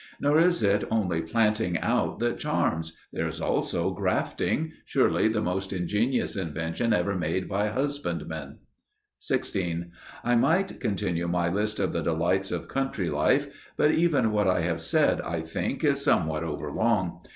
Nor is it only planting out that charms: there is also grafting surely the most ingenious invention ever made by husbandmen. 16. I might continue my list of the delights of country life; but even what I have said I think is somewhat over long.